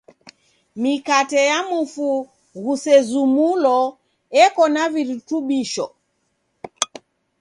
Mikate ya mufu ghusezumulo eko na virutubisho.